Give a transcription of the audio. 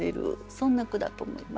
そんな句だと思います。